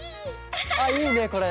あいいねこれ。